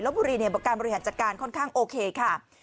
ลบบุรีเนี่ยบอกว่าการบริหารจัดการค่อนข้างโอเคค่ะ